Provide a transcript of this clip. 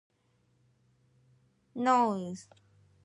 Sotouboua is the apparent railway terminus in the north.